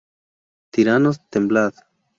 ¡Tiranos, temblad!